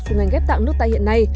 của ngành ghép tạng nước ta hiện nay